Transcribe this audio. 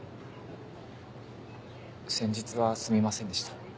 先日はすみませんでした。